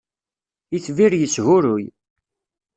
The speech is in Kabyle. Itbir yeshuruy